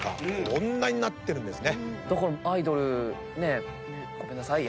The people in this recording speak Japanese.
こんなになってるんですね。